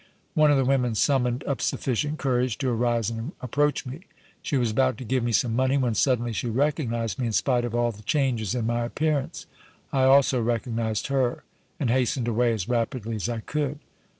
One of the women summoned up sufficient courage to arise and approach me; she was about to give me some money, when suddenly she recognized me in spite of all the changes in my appearance. I also recognized her and hastened away as rapidly as I could."